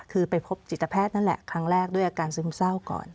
คือไปพบจิตแพทย์นั่นแหละครั้งแรกด้วยอาการซึมเศร้าก่อน